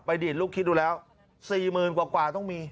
ไปดินลูกคิดดูแล้วสี่หมื่นกว่ากว่าต้องมี